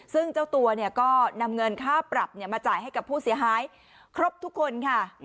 ซึ่งเจ้าตัวเนี่ยก็นำเงินค่าปรับมาจ่ายให้กับผู้เสียหายครบทุกคนค่ะ